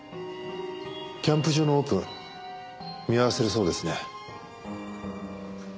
キャンプ場のオープン見合わせるそうですね。